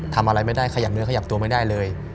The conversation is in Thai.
ทำอะไรไม่ได้ขยับเนื้อขยับตัวไม่ได้เลย